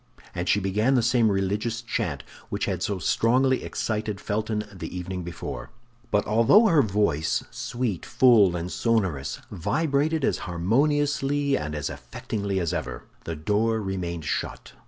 And she began the same religious chant which had so strongly excited Felton the evening before. But although her voice—sweet, full, and sonorous—vibrated as harmoniously and as affectingly as ever, the door remained shut.